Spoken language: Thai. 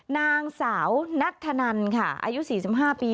นางสาวนัทธนันค่ะอายุ๔๕ปี